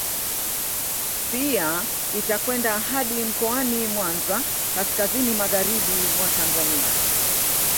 Pia itakwenda hadi mkoani Mwanza kaskazini magharibi mwa Tanzania